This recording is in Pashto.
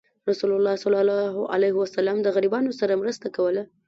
رسول الله صلى الله عليه وسلم د غریبانو سره مرسته کوله.